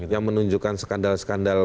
yang menunjukkan skandal skandal